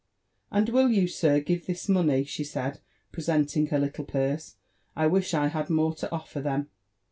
"And will you, sir, give this money?" shesaid, presenting her little purse: " I wish I had more to ofler them."